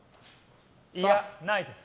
いや、ないです。